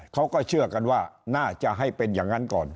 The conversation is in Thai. เขาก็เชื่อกันว่าน่าจะให้เป็นอย่างนั้นก่อน